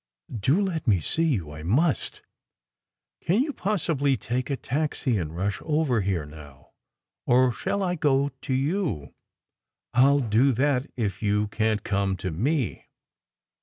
Do let me see you ! I must ! Can you possibly take a taxi and rush SECRET HISTORY 107 over here now, or shall I go to you? I ll do that if you can t come to me."